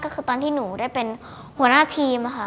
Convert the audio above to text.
ก็คือตอนที่หนูได้เป็นหัวหน้าทีมค่ะ